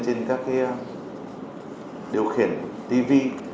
trên các điều khiển tv